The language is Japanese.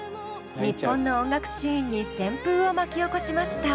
日本の音楽シーンに旋風を巻き起こしました。